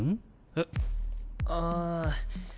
えっ？ああ。